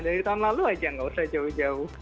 dari tahun lalu aja nggak usah jauh jauh